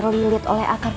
kau tidak tahu apa itu